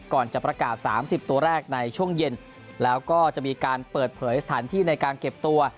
ก่อนจะประกาศ๓๐ตัวแรกในช่วงเย็นแล้วก็จะมีการเปิดเผยสถานที่ในการเก็บตัว